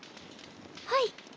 はい。